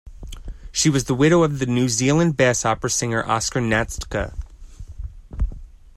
She was the widow of the New Zealand bass opera singer Oscar Natzka.